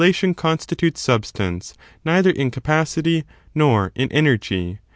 lion constitutes substance neither in capacity nor in energy.